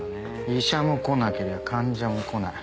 医者も来なけりゃ患者も来ない。